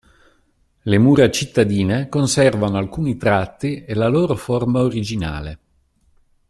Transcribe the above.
Le mura cittadine conservano alcuni tratti e la loro forma originale.